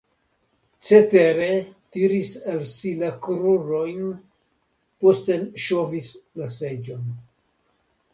Cetere, tiris al si la krurojn, posten ŝovis la seĝon.